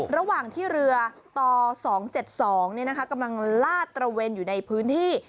ระหว่างที่เรือต่อ๒๗๒กำลังลาดตระเวนอยู่ในพื้นที่